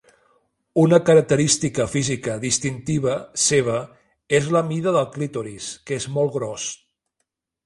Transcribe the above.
Una característica física distintiva seva és la mida del clítoris, que és molt gros.